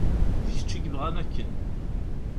D kečč i yebɣan akken.